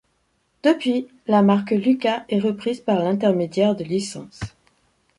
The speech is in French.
Depuis, la marque Lucas est reprise par l'intermédiaire de licences.